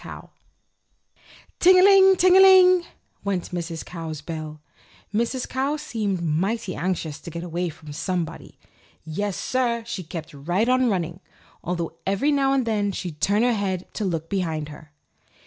COW "TING A LING! ting a ling!" went Mrs. Cow's bell. Mrs. Cow seemed mighty anxious to get away from somebody. Yes, sir! she kept right on running, although every now and then she'd turn her head to look behind her.